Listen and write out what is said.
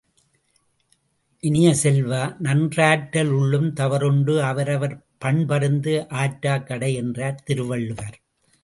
இனிய செல்வ, நன்றாற்ற லுள்ளும் தவறுண்டு அவரவர் பண்பறிந்து ஆற்றாக் கடை என்றார் திருவள்ளுவர்.